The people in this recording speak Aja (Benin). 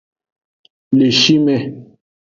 Le shi me.